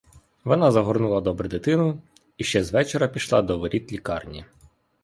Вона загорнула добре дитину і ще з вечора пішла до воріт лікарні.